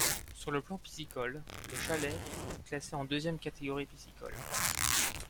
Sur le plan piscicole, le Chalès est classé en deuxième catégorie piscicole.